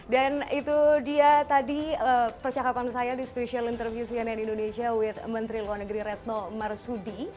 dan itu dia tadi percakapan saya di special interview cnn indonesia with menteri luar negeri retno marsudi